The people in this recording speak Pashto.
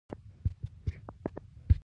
د اضافي ارزښت یوې برخې پانګه کولو ته وایي